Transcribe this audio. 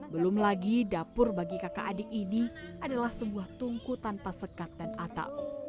belum lagi dapur bagi kakak adik ini adalah sebuah tungku tanpa sekat dan atap